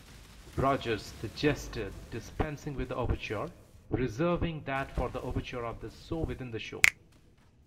Rodgers suggested dispensing with the overture, reserving that for the overture of the show-within-the-show.